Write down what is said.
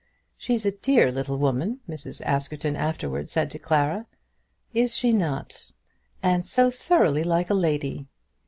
"She's a dear little woman," Mrs. Askerton afterwards said to Clara. "Is she not?" "And so thoroughly like a lady."